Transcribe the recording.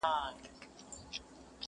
o زه د ابۍ مزدوره، ابۍ د کلي٫